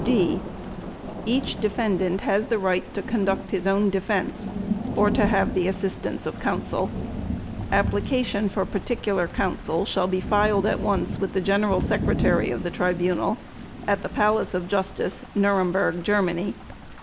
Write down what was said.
(d) Each defendant has the right to conduct his own defense or to have the assistance of counsel. Application for particular counsel shall be filed at once with the General Secretary of the Tribunal at the Palace of Justice, Nuremberg, Germany.